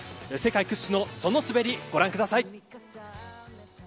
世界屈指のその滑りご覧ください。